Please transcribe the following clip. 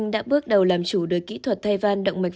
đã bước đầu làm chủ đời kỹ thuật thay văn động mạch